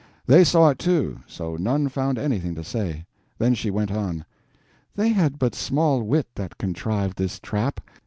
They saw it too, so none found anything to say. Then she went on: "They had but small wit that contrived this trap.